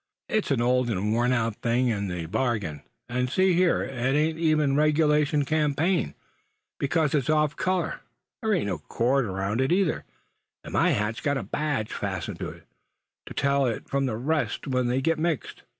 "It's an old and worn out thing in the bargain; and see here, it ain't even regulation campaign, because it's off color. There ain't no cord around it either; and my hat's got my badge fastened to it, to tell it from the rest when they get mixed.